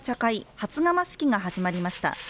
初釜式が始まりました。